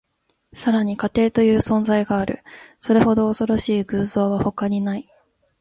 さらに、家庭という存在がある。これほど恐ろしい偶像は他にない。